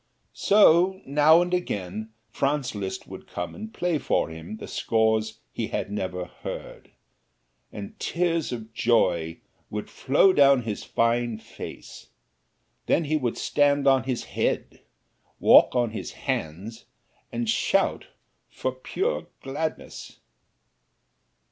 So now and again Franz Liszt would come and play for him the scores he had never heard, and tears of joy would flow down his fine face; then he would stand on his head, walk on his hands and shout for pure gladness.